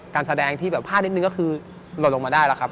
การแสดงที่แบบพลาดนิดนึงก็คือหล่นลงมาได้แล้วครับ